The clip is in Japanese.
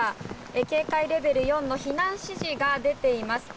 警戒レベル４の避難指示が出ています。